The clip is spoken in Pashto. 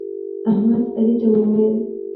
احمد علي ته وویل: